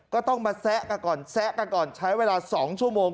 ก็ต้องมาแซะกันก่อนแซะกันก่อนใช้เวลา๒ชั่วโมง